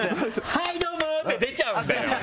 はい、どーもって出ちゃうんだよ。